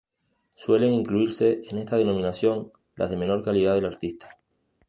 Suelen incluirse en esta denominación las de menor calidad del artista.